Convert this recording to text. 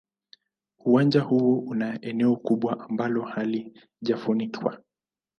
Uwanja huo una eneo kubwa ambalo halijafunikwa.